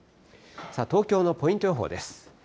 さあ、東京のポイント予報です。